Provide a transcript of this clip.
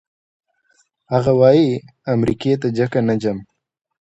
هغه وايي امریکې ته ځکه نه ځم.